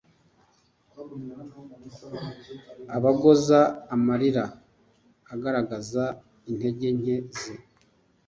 Abogoza amarira agaragaza intege nke ze,